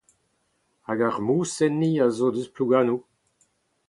Hag ar mous enni a zo eus Plouganoù.